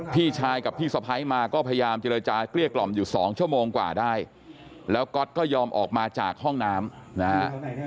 พี่ชายกับพี่สะพ้ายมาก็พยายามเจรจาเกลี้ยกล่อมอยู่สองชั่วโมงกว่าได้แล้วก๊อตก็ยอมออกมาจากห้องน้ำนะฮะ